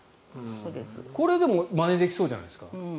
これまねできそうじゃないですか？